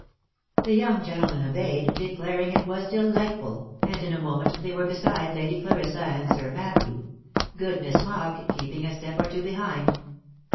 The young gentleman obeyed, declaring it was delightful, and in a moment they were beside Lady Clarissa and Sir Matthew ; good Miss Mogg keeping a step or two behind.